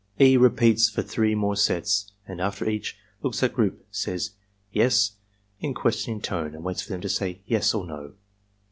E. repeats for three more sets and after each, looks at group, says "Yes?" in questioning tone and waits for them to say "Yes" or "No."